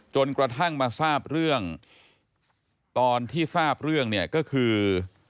จนกระทั่งมาทราบเรื่องตอนที่ทราบเรื่องเนี่ยก็คือ